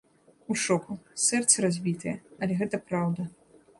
У шоку, сэрца разбітае, але гэта праўда.